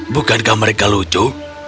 bukankah mereka lucu